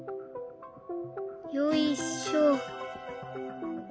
よいしょ。